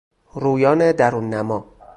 رویان درون نما